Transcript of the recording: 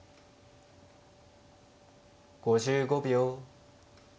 ５５秒。